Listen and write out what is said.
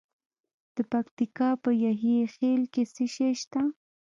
د پکتیکا په یحیی خیل کې څه شی شته؟